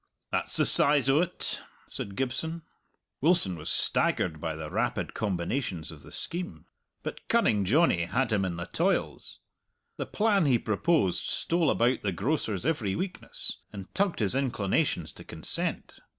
"That's the size o't," said Gibson. Wilson was staggered by the rapid combinations of the scheme. But Cunning Johnny had him in the toils. The plan he proposed stole about the grocer's every weakness, and tugged his inclinations to consent.